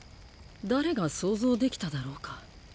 誰が想像できただろうか？